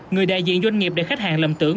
người đại diện doanh nghiệp để khách hàng lầm tưởng